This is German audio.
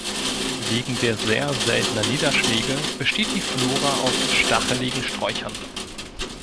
Wegen der sehr seltenen Niederschläge besteht die Flora aus stacheligen Sträuchern.